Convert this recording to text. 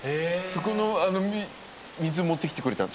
そこの水持ってきてくれた。